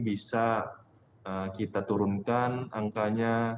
bisa kita turunkan angkanya